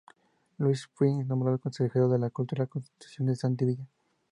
Lluís Puig es nombrado consejero de cultura en sustitución de Santi Vila.